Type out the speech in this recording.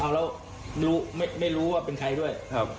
เอาแล้วไม่รู้ว่าเป็นใครด้วย